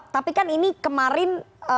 tapi kan ini kemarin